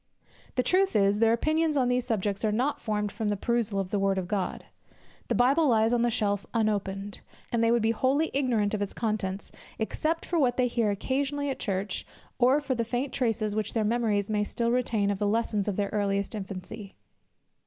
The truth is, their opinions on these subjects are not formed from the perusal of the word of God. The Bible lies on the shelf unopened; and they would be wholly ignorant of its contents, except for what they hear occasionally at church, or for the faint traces which their memories may still retain of the lessons of their earliest infancy.